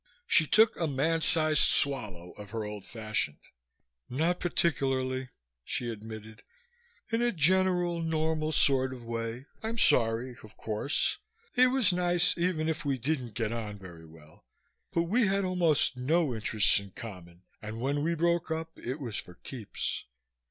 She took a man sized swallow of her old fashioned. "Not particularly," she admitted. "In a general, normal sort of way, I'm sorry, of course. He was nice even if we didn't get on very well. But we had almost no interests in common and when we broke up it was for keeps.